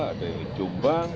ada yang dari jumbang